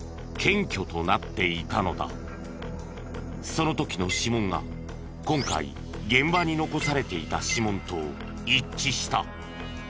その時の指紋が今回現場に残されていた指紋と一致した。